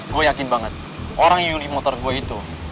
gue yakin banget orang yang nyuri motor gue itu